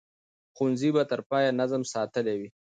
ښوونځي به تر پایه نظم ساتلی وي.